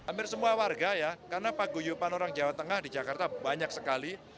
hampir semua warga ya karena paguyupan orang jawa tengah di jakarta banyak sekali